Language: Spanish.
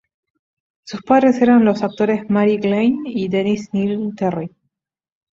Sus padres eran los actores Mary Glynne y Dennis Neilson-Terry.